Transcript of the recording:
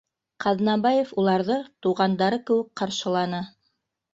Ҡаҙнабаев уларҙы туғандары кеүек ҡаршыланы: